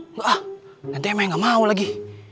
nggak ah nanti emek nggak mau lagi